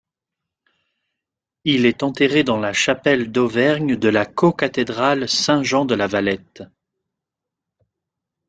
Il est enterré dans la chapelle d'Auvergne de la co-cathédrale Saint-Jean de La Valette.